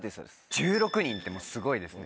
１６人ってすごいですね。